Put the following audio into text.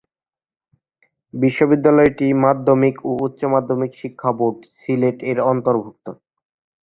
বিদ্যালয়টি মাধ্যমিক ও উচ্চ মাধ্যমিক শিক্ষা বোর্ড, সিলেট এর অন্তর্ভুক্ত।